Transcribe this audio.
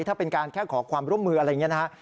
ถ้าเป็นการแค่ขอความร่วมมืออะไรอย่างนี้นะครับ